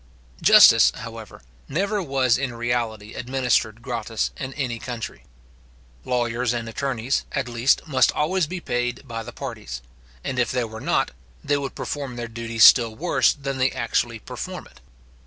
Justice, however, never was in reality administered gratis in any country. Lawyers and attorneys, at least, must always be paid by the parties; and if they were not, they would perform their duty still worse than they actually perform it.